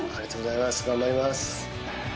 頑張ります。